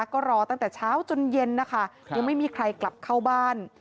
ก็รอตั้งแต่เช้าจนเย็นนะคะยังไม่มีใครกลับเข้าบ้าน